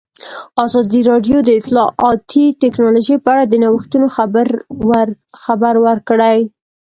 ازادي راډیو د اطلاعاتی تکنالوژي په اړه د نوښتونو خبر ورکړی.